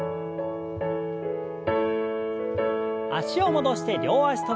脚を戻して両脚跳び。